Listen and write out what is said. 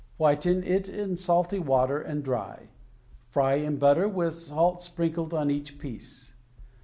Whiten it in salty water, and dry. Fry, in butter, with salt sprinkled on each piece.